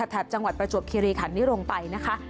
จังหวัดประจวบคิริขันนี้ลงไปนะคะ